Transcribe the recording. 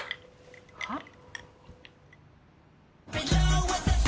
はっ？